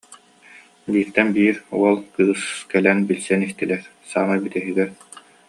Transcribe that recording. Бииртэн биир уол, кыыс кэлэн билсэн истилэр, саамай бүтэһигэр: